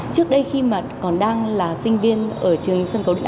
trước đây khi mặt còn đang là sinh viên ở trường